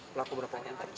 pelaku berapa orang